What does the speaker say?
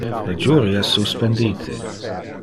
Le jury es suspendite.